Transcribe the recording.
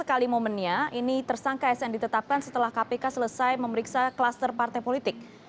tiga kali momennya ini tersangka sn ditetapkan setelah kpk selesai memeriksa kluster partai politik